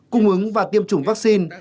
cung ứng và tiêm chủng vaccine